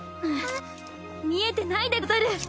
見えてないでござる！